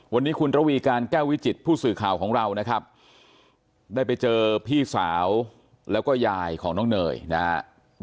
วันนี้คุณระวีการแก้ววิจิตผู้สื่อข่าวของเรานะครับได้ไปเจอพี่สาวแล้วก็ยายของน้องเนยนะครับ